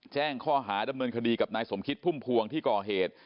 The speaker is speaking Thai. แจ้งข้อหาดำเนินคดีกับนายสมคิดพุ่มพวงที่ก่อเหตุ